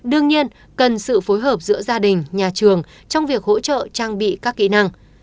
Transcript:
đương nhiên cần sự phối hợp giữa gia đình nhà trường trong việc hỗ trợ trang bị các kỹ năng